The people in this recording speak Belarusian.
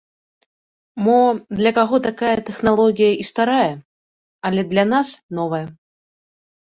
Мо, для каго такая тэхналогія і старая, але для нас новая.